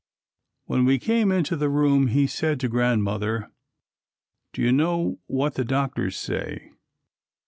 When we came into the room he said to Grandmother, "Do you know what the doctors say?"